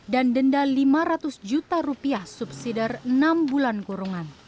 dan denda lima ratus juta rupiah subsidar enam bulan kurungan